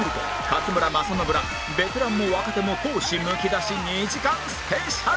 勝村政信らベテランも若手も闘志むき出し２時間スペシャル！